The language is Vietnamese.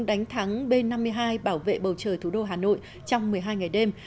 đánh thắng b năm mươi hai bảo vệ bầu trời thủ đô hà nội trong một mươi hai ngày đêm